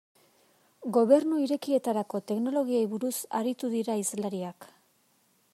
Gobernu Irekietarako teknologiei buruz aritu dira hizlariak.